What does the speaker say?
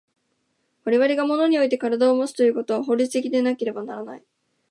我々が物において身体をもつということは法律的でなければならない。